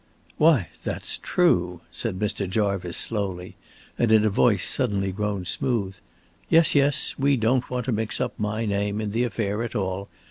"Why, that's true," said Mr. Jarvice, slowly, and in a voice suddenly grown smooth. "Yes, yes, we don't want to mix up my name in the affair at all.